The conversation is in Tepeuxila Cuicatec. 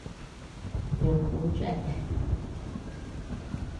Tioʼö kun cheatea.